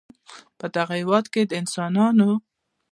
په دغه هېواد کې د انسانانو